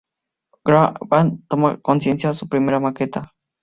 Graban "Toma conciencia", su primera maqueta.